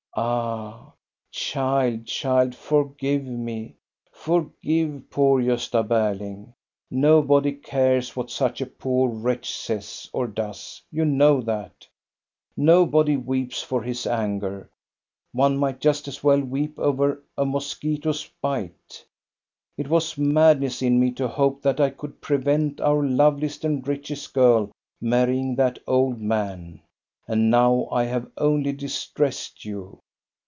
"Ah, child, child, forgive me! Forgive poor Grosta Berling! Nobody cares what such a poor wretch says or does, you know that. Nobody weeps for his anger, one might just as well weep over a mosquito's bite. It was madness in me to hope that I could prevent our loveliest and richest girl marry ing that old man. And now I have only distressed you."